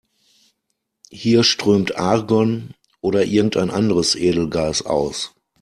Hier strömt Argon oder irgendein anderes Edelgas aus.